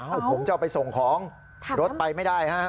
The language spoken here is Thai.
ผมจะเอาไปส่งของรถไปไม่ได้ฮะ